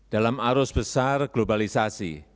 dalam arus besar globalisasi